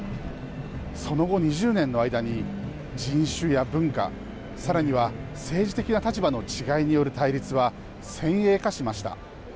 その後２０年の間に人種や文化、さらには政治的な立場の違いによる対立は、先鋭化しました。